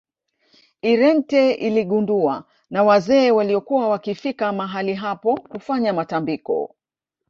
irente iligunduwa na wazee waliokuwa wakifika mahali hapo kufanya matambiko